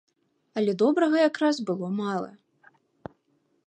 Але добрага якраз было мала.